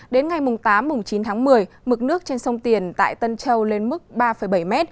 đến ngày tám chín tháng một mươi mực nước trên sông tiền tại tân châu lên mức ba bảy m